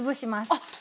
あっ！